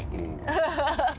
アハハハ！